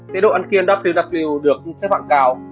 chế độ ăn kiêng ww được xếp hạng cao